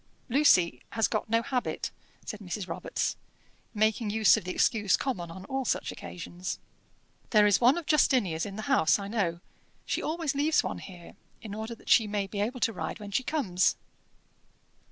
"Lucy has got no habit," said Mrs. Robarts, making use of the excuse common on all such occasions. "There is one of Justinia's in the house, I know. She always leaves one here, in order that she may be able to ride when she comes."